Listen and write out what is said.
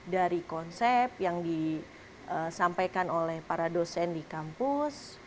dari konsep yang disampaikan oleh para dosen di kampus